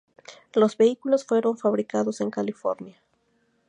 Los vehículos fueron fabricados en California.